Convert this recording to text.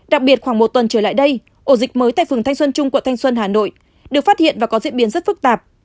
đặc biệt khoảng một tuần trở lại đây ổ dịch mới tại phường thanh xuân trung quận thanh xuân hà nội được phát hiện và có diễn biến rất phức tạp